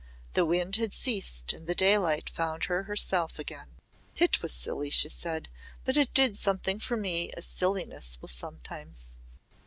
The wind had ceased and the daylight found her herself again. "It was silly," she said, "but it did something for me as silliness will sometimes.